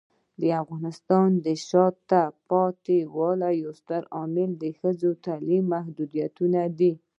د افغانستان د شاته پاتې والي یو ستر عامل د ښځو تعلیمي محدودیتونه دي.